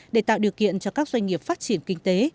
để tạo điều kiện cho các doanh nghiệp phát triển kinh tế